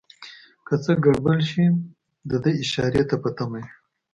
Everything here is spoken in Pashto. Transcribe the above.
که څه ګړبړ شي دده اشارې ته په تمه وي.